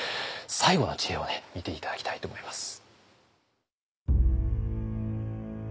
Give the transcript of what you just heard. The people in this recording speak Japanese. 最後の知恵を見て頂きたいと思います。